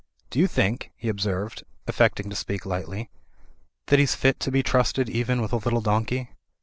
"Do you think," he observed, affecting to speak lightly, "that he's fit to be trusted even with a little donkey?"